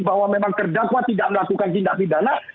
bahwa memang terdakwa tidak melakukan tindak pidana